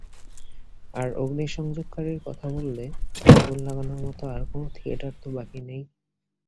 আর অগ্নিসংযোগকারীর কথা বললে, আগুন লাগানোর মত আর কোন থিয়েটার তো বাকি নেই।